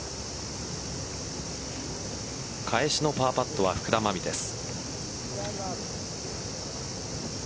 返しのパーパットは福田真未です。